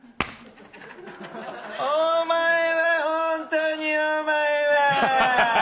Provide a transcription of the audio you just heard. お前はホントにお前は！